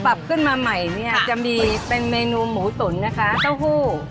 ปรับขึ้นมาใหม่เนี่ยจะมีเป็นเมนูหมูตุ๋นนะคะเต้าหู้